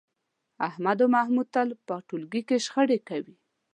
احمد او محمود تل په ټولګي کې شخړې کوي.